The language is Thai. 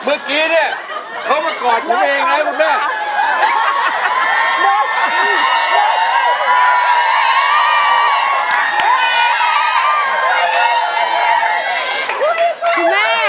เมื่อกี้เนี่ยเขามากอดผมเองครับคุณแม่